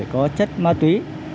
có chất ma túy